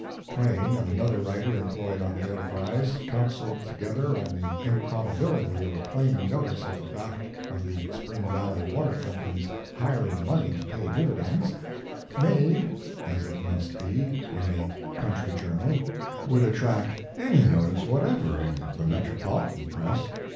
Twain and another writer employed on the Enterprise counseled together on the improbability of a plain notice of the fact of the Spring Valley Water Company s hiring money to pay dividends made, as it must be, in a country journal would attract any notice whatever in the metro politan press.